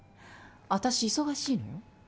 私忙しいのよ。